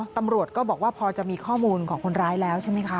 ตำรวจก็บอกว่าพอจะมีข้อมูลของคนร้ายแล้วใช่ไหมคะ